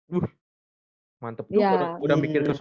wuh mantep tuh udah mikir ke sono